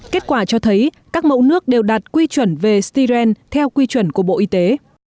kết quả cho thấy các mẫu nước đều đạt quy chuẩn về styren theo quy chuẩn của bộ y tế